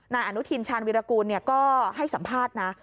นายอนุทินชาญวิรากูลก็ให้สัมภาษณ์นะ